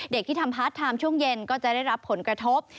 ที่ทำพาร์ทไทม์ช่วงเย็นก็จะได้รับผลกระทบ